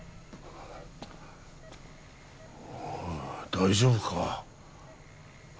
大丈夫か？